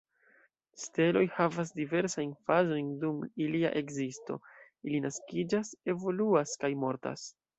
Steloj havas diversajn fazojn dum ilia ekzisto: ili naskiĝas, evoluas, kaj mortas.